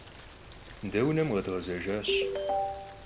De vunem khedğezejjaş.